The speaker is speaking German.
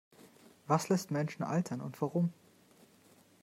Was lässt Menschen altern und warum?